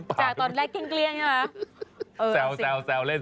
จากตอนแรกเกลี้ยงใช่ไหม